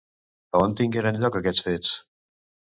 A on tingueren lloc aquests fets?